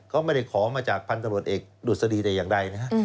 เขาไม่ได้ขอมาจากพันธบรวจเอกดุษฎีแต่อย่างใดนะฮะ